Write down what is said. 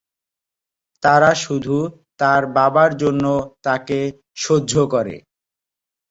তারা শুধু তার বাবার জন্য, তাকে সহ্য করে।